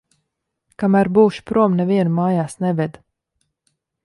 Kamēr būšu prom, nevienu mājās neved.